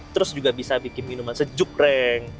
terus juga bisa bikin minuman sejuk reng